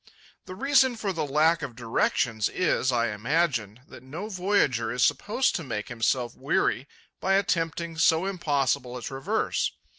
The reason for the lack of directions is, I imagine, that no voyager is supposed to make himself weary by attempting so impossible a traverse.